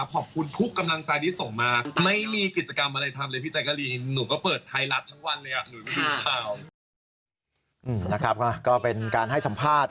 ขอบคุณแปนไทยรัฐนะครับ